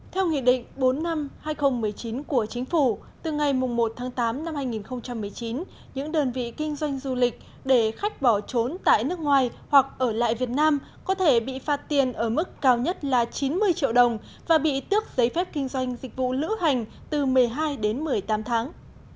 theo nghị định bốn năm hai nghìn một mươi chín của chính phủ từ ngày một tháng tám năm hai nghìn một mươi chín những đơn vị kinh doanh du lịch để khách bỏ trốn tại nước ngoài hoặc ở lại việt nam có thể bị phạt tiền ở mức cao nhất là chín mươi triệu đồng và bị tước giấy phép kinh doanh dịch vụ lữ hành từ một mươi hai đến một mươi tám tháng